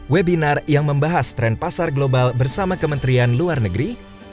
webinar yang membahas tren pasar global bersama kementerian luar negeri